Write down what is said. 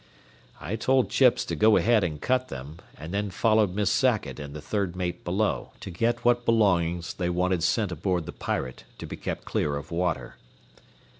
I told Chips to go ahead and cut them, and then followed Miss Sackett and the third mate below, to get what belongings they wanted sent aboard the Pirate to be kept clear of water.